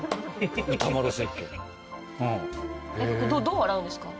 どう洗うんですか？